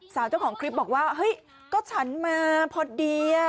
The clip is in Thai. สาวเจ้าของคลิปบอกว่าเฮ้ยก็ฉันมาพอดี